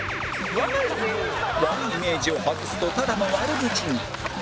悪いイメージを外すとただの悪口に